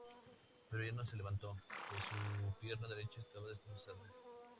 Pero ya no se levantó, pues su pierna derecha estaba destrozada.